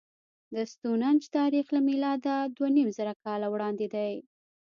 د ستونهنج تاریخ له میلاده دوهنیمزره کاله وړاندې دی.